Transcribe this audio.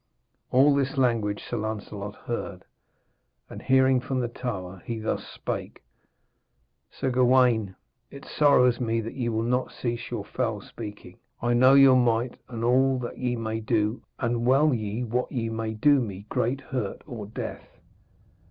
All this language Sir Lancelot heard, and leaning from the tower he thus spake: 'Sir Gawaine, it sorrows me that ye will not cease your foul speaking. I know your might, and all that ye may do, and well ye wot ye may do me great hurt or death.'